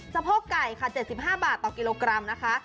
โพกไก่ค่ะ๗๕บาทต่อกิโลกรัมนะคะ